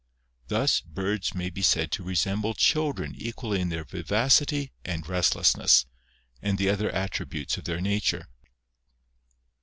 Thus, birds may be said to resemble children equally in their vivacity and restless ness, and the other attributes of their nature.